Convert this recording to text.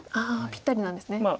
ああぴったりなんですね。